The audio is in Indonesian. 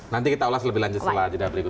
nanti kita ulas lebih lanjut setelah jadwal ibu